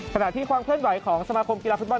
ขณะที่ความเคลื่อนไหวของสมาคมกีฬาฟุตบอล